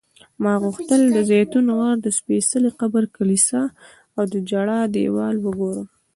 ما غوښتل د زیتون غر، د سپېڅلي قبر کلیسا او د ژړا دیوال وګورم.